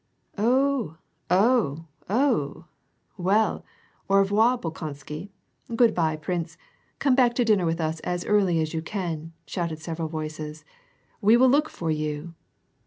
«Oh!_oh! — oh!" " Well, au revoir, Bolkonsky. Good by prince ; come back to dinner as early as you can," shouted several voices. *' We will look out for you."